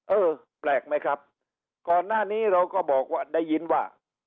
เออแปลกไหมครับก่อนหน้านี้เราก็บอกว่าได้ยินว่า